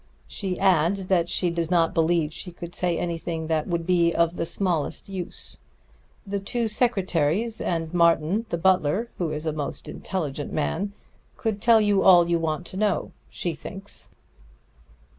She adds that she does not believe she could say anything that would be of the smallest use. The two secretaries and Martin, the butler (who is a most intelligent man) could tell you all you want to know, she thinks."